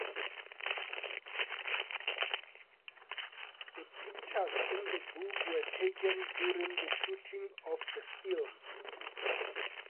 The pictures in the book were taken during the shooting of the films.